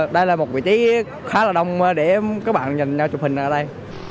đây là một vị trí khá là đông để các bạn nhìn chụp hình ở đây